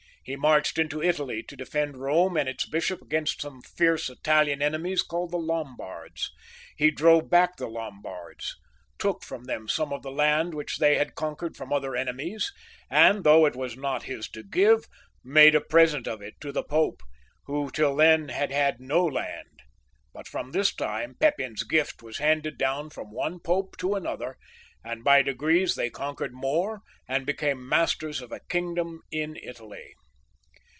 He marched into Italy to defend 36 THE CARLOVINGIANS. [CH. Borne and its bishop against some fierce Italian enemies called the Lomjbards. He drove back the Lombards, took from them some of the land which they had conquered from other enetriies, and though it was not his to give, made a present of it to the Pope, who till then had had no land. But from this time Pepin's gift' was handed down from one ^ope to another, and by degrees they conquered more, and became masters of a kingdom in Italy.